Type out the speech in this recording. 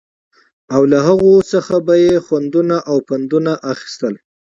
او له هغو څخه به يې خوندونه او پندونه اخيستل